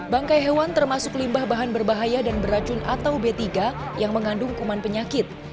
bangkai hewan termasuk limbah bahan berbahaya dan beracun atau b tiga yang mengandung kuman penyakit